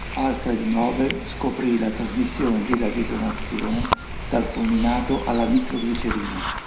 Alfred Nobel scoprì la trasmissione della detonazione dal fulminato alla nitroglicerina.